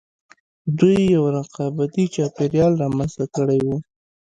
دوی یو رقابتي چاپېریال رامنځته کړی و